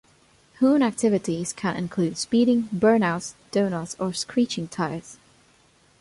Hoon activities can include speeding, burnouts, doughnuts or screeching tyres.